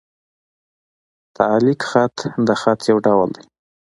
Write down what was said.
تعلیق خط؛ د خط یو ډول دﺉ.